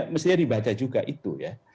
mestinya dibaca juga itu ya